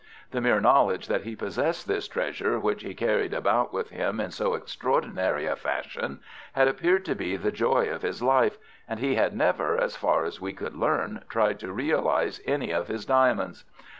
The mere knowledge that he possessed this treasure, which he carried about with him in so extraordinary a fashion, had appeared to be the joy of his life, and he had never, as far as we could learn, tried to realize any of his diamonds.